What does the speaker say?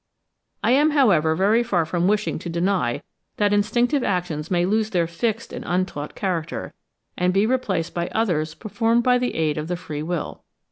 I am, however, very far from wishing to deny that instinctive actions may lose their fixed and untaught character, and be replaced by others performed by the aid of the free will.